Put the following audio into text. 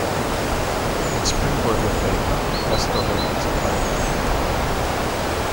When Springboard went bankrupt, Gusto Records acquired the catalog.